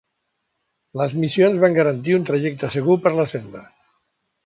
Les missions van garantir un trajecte segur per la senda.